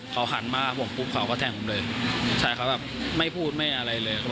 เขาหันมาผมปุ๊บเขาก็แทงผมเลยใช่เขาแบบไม่พูดไม่อะไรเลย